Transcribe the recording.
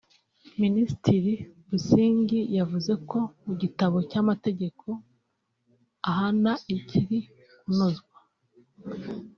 Minisitiri Busingye yavuze ko mu gitabo cy’amategeko ahana kiri kunozwa